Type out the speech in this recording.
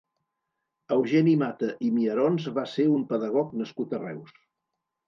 Eugeni Mata i Miarons va ser un pedagog nascut a Reus.